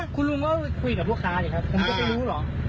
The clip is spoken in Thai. คุณลุงก็คุยกับลูกค้าสิครับผมก็ไม่รู้เหรอ